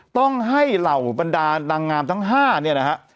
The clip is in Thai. ต้องให้เหล่าบรรดานางงามทั้ง๕เนี่ยนะฮะ